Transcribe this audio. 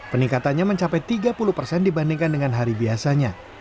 peningkatannya mencapai tiga puluh persen dibandingkan dengan hari biasanya